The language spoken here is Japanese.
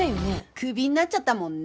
クビになっちゃったもんね。